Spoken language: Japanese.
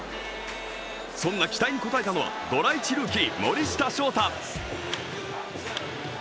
そんな期待に応えたのはドラ１ルーキー・森下翔太。